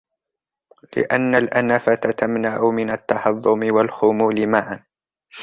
لِأَنَّ الْأَنَفَةَ تَمْنَعُ مِنْ التَّهَضُّمِ وَالْخُمُولِ مَعًا